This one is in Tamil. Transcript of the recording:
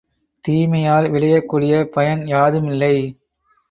தீமையால் விளையக்கூடிய பயன் யாதுமில்லை.